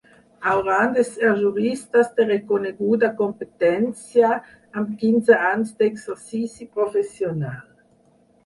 Hauran de ser juristes de reconeguda competència, amb quinze anys d’exercici professional.